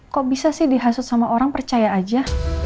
kok bisa sih dihasut sama orang percaya aja